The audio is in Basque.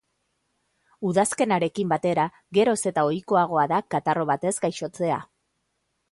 Udazkenarekin batera geroz eta ohikoagoa da katarro batez gaixotzea.